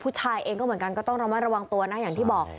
ผู้ชายเองก็เหมือนกันก็ต้องระมัดระวังตัวนะอย่างที่บอก